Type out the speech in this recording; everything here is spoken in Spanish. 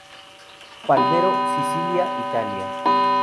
Palermo, Sicilia, Italia